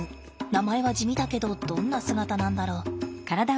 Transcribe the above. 名前は地味だけどどんな姿なんだろう？